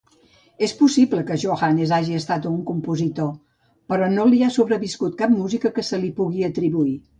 És possible que Johannes hagi estat un compositor, però no li ha sobreviscut cap música que se li pugui atribuir.